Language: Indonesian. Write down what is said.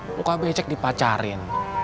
luka becek dipacarin